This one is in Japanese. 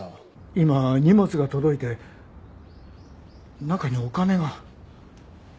今荷物が届いて中にお金が。